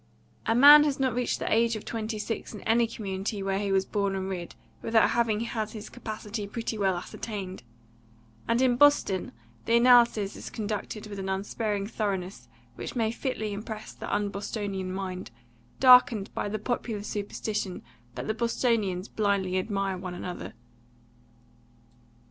A man has not reached the age of twenty six in any community where he was born and reared without having had his capacity pretty well ascertained; and in Boston the analysis is conducted with an unsparing thoroughness which may fitly impress the un Bostonian mind, darkened by the popular superstition that the Bostonians blindly admire one another.